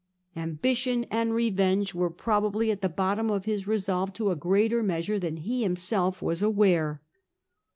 Ambition and revenge were probably at the bottom of his resolve to a greater measure than he himself was aware.